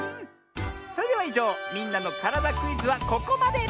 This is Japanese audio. それではいじょう「みんなのからだクイズ」はここまで！